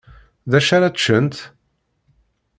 Dacu ara ččent?